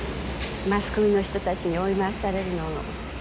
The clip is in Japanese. マスコミの人たちに追い回されるのも。